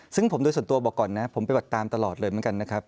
ซึ่งผมโดยส่วนตัวบอกก่อนนะผมปฏิบัติตามตลอดเลยเหมือนกันนะครับ